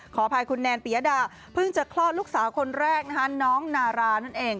ขออภัยคุณแนนปียดาเพิ่งจะคลอดลูกสาวคนแรกนะคะน้องนารานั่นเอง